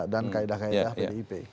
dan kaedah kaedah pdip